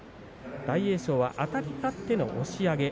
大栄翔はあたり勝っての押し上げ。